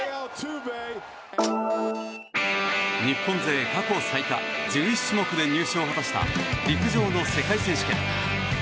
日本勢過去最多１１種目で入賞を果たした陸上の世界選手権。